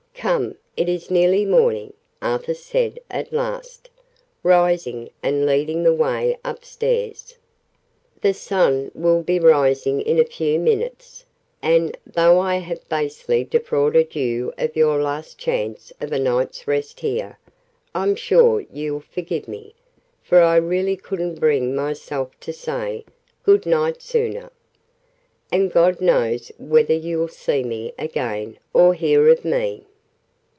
"Come, it is nearly morning! Arthur said at last, rising and leading the way upstairs. "The sun will be rising in a few minutes: and, though I have basely defrauded you of your last chance of a night's rest here, I'm sure you'll forgive me: for I really couldn't bring myself to say 'Good night' sooner. And God knows whether you'll ever see me again, or hear of me!"